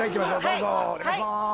どうぞお願いしまーす。